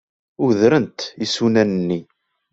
Udrent isunan-nni.